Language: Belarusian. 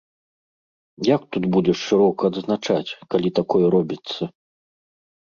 Як тут будзеш шырока адзначаць, калі такое робіцца?